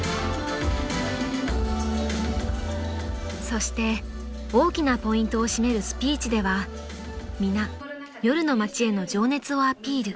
［そして大きなポイントを占めるスピーチでは皆夜の街への情熱をアピール］